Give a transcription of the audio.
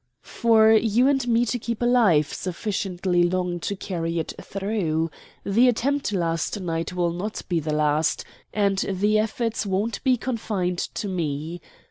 "For you and me to keep alive sufficiently long to carry it through. The attempt last night will not be the last, and the efforts won't be confined to me.